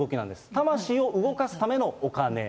魂を動かすためのお金。